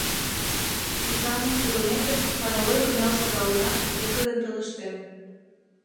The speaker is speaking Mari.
Эчанмыт пурымеке, становой кынел шогалынат, пеҥгыдын пелештен: